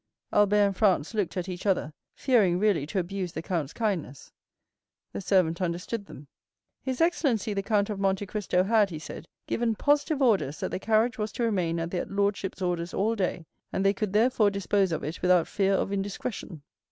Albert and Franz looked at each other, fearing really to abuse the count's kindness. The servant understood them. "His excellency the Count of Monte Cristo had," he said, "given positive orders that the carriage was to remain at their lordships' orders all day, and they could therefore dispose of it without fear of indiscretion."